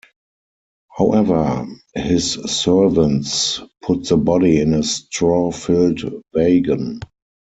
However, his servants put the body in a straw-filled wagon.